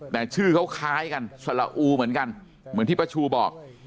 แต่ชื่อเขาคล้ายกันสละอูเหมือนกันเหมือนที่ป้าชูบอก